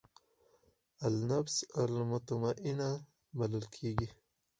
النفس المطمئنه بلل کېږي.